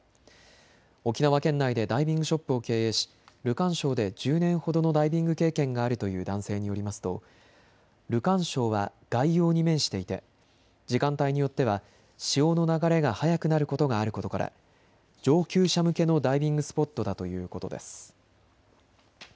沖縄県内でダイビングショップを経営しルカン礁で１０年ほどのダイビング経験があるという男性によりますとルカン礁は外洋に面していて時間帯によっては潮の流れが速くなることがあることから上級者向けのダイビングスポットだということです。